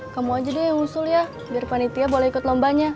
kamu aja deh yang usul ya biar panitia boleh ikut lombanya